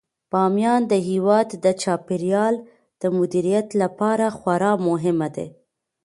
بامیان د هیواد د چاپیریال د مدیریت لپاره خورا مهم دی.